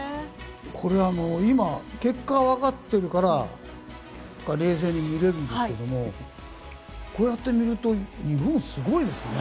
これ、今結果がわかっているから冷静に見れるんですけどもこうやって見ると日本すごいですね。